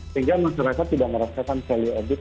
sehingga masyarakat tidak merasakan value added